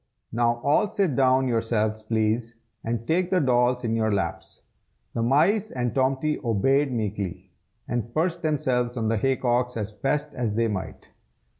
now all sit down yourselves, please, and take the dolls in your laps." The mice and Tomty obeyed meekly, and perched themselves on the hay cocks as best they might.